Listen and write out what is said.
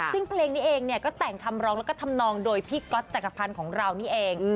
ซึ่งเพลงนี้เองเนี่ยก็แต่งคำร้องแล้วก็ทำนองโดยพี่ก๊อตจักรพันธ์ของเรานี่เอง